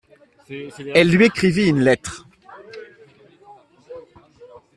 Elle lui écrivit une lettre.